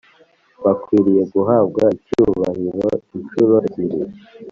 bakwiriye guhabwa icyubahiro incuro ebyiri